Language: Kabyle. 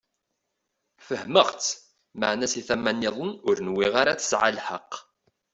Fehmeɣ-tt, meɛna si tama-nniḍen ur nwiɣ ara tesɛa lḥeqq.